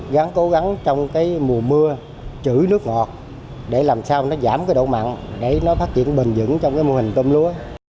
gắn cố gắng trong cái mùa mưa trữ nước ngọt để làm sao nó giảm cái độ mặn để nó phát triển bền dững trong cái mô hình tôm lúa